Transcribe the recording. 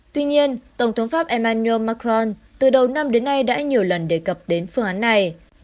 tuy nhiên tổng thống pháp emmanu macron từ đầu năm đến nay đã nhiều lần đề cập đến phương án này